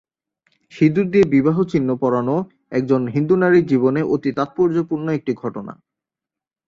সিঁদুর দিয়ে বিবাহ চিহ্ন পরানো একজন হিন্দু নারীর জীবনে অতি তাৎপর্যপূর্ণ একটি ঘটনা।